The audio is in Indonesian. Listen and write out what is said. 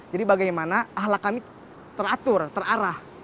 jadi bagaimana ahlak kami teratur terarah